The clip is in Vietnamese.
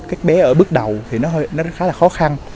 các bé ở bước đầu thì nó khá là khó khăn